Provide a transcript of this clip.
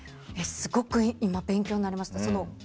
すごく今、勉強になりました。